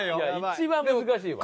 一番難しいわ。